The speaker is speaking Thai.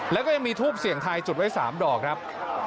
แล้วก็ยังมีทูปเสี่ยงทายจุดไว้๓ดอกครับ